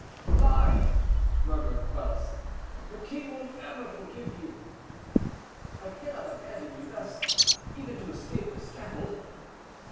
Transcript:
"Fly!" murmured Quelus; "the king will never forgive you." "I cannot abandon you thus, even to escape the scaffold."